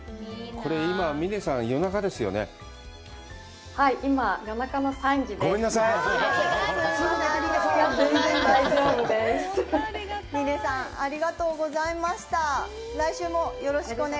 これ今、みねさん、夜中ですよね？